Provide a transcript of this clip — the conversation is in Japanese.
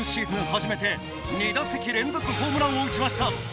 初めて２打席連続ホームランを打ちました。